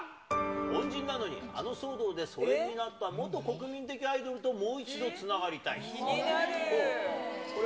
恩人なのに、あの騒動で疎遠になった、元国民的アイドルともう一気になる。